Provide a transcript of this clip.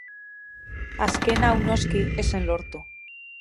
Azken hau, noski, ez zen lortu.